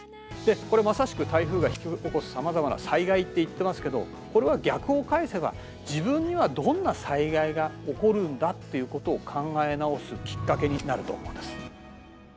これまさしく台風が引き起こすさまざまな災害って言ってますけどこれは逆を返せば自分にはどんな災害が起こるんだっていうことを考え直すきっかけになると思うんです。